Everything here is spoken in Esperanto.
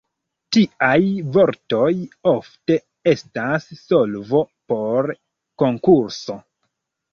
Tiaj vortoj ofte estas solvo por konkurso.